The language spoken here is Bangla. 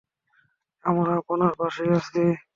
আমরা আপনার পাশেই আছি।